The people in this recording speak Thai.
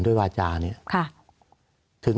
สวัสดีครับทุกคน